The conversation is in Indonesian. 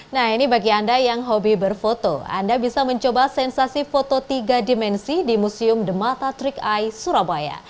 nah ini bagi anda yang hobi berfoto anda bisa mencoba sensasi foto tiga dimensi di museum the mata trick eye surabaya